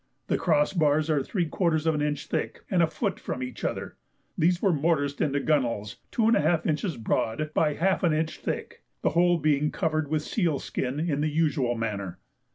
The cross bars are three quarters of an inch thick and a foot from each other; these were morticed into gunwales 2½ inches broad by half an inch thick, the whole being covered with seal skin in the usual manner.